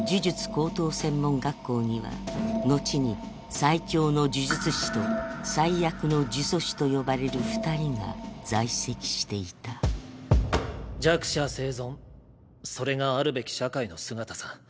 高等専門学校には後に最強の呪術師と最悪の呪詛師と呼ばれる二人が在籍していた弱者生存それがあるべき社会の姿さ。